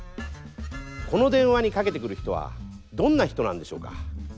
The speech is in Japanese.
この電話にかけてくる人はどんな人なんでしょうか？